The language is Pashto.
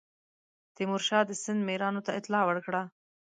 تیمورشاه د سند میرانو ته اطلاع ورکړه.